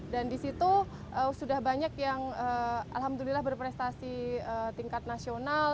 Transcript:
dan di situ sudah banyak yang alhamdulillah berprestasi tingkat nasional